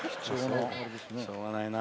しょうがないな。